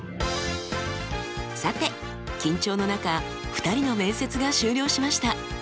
さて緊張の中２人の面接が終了しました。